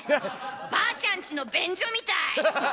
ばあちゃんちの便所みたい！